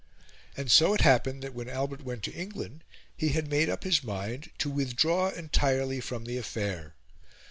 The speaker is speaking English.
And so it happened that when Albert went to England he had made up his mind to withdraw entirely from the affair.